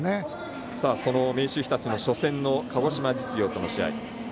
その明秀日立の初戦の鹿児島実業との試合。